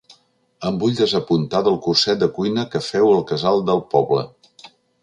Em vull desapuntar del curset de cuina que feu al casal del poble.